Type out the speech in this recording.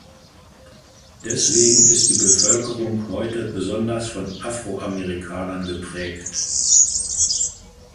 Deswegen ist die Bevölkerung heute besonders von Afroamerikanern geprägt.